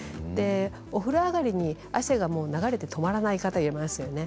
お風呂上がりに汗が流れて止まらない方がいますよね。